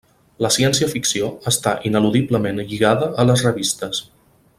La ciència-ficció està ineludiblement lligada a les revistes.